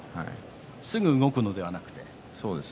すぐ動くのではなくて。